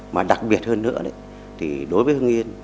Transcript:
mà đặc biệt hơn nữa đối với hưng yên